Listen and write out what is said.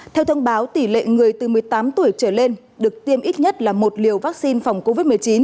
theo thông báo tỷ lệ người từ một mươi tám tuổi trở lên được tiêm ít nhất là một liều vaccine phòng covid một mươi chín